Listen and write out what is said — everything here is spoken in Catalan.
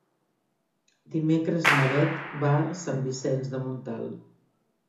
Dimecres na Bet va a Sant Vicenç de Montalt.